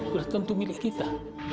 sudah tentu milik kita